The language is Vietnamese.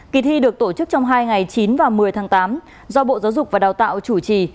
kỳ thi được tổ chức trong hai ngày chín và một mươi tháng tám do bộ giáo dục và đào tạo chủ trì